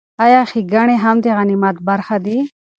ایا ګېڼي هم د غنیمت برخه دي؟